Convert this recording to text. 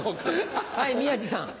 はい宮治さん。